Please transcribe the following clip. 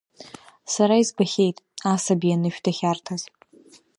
Сара избахьеит, асаби анышә дахьарҭаз.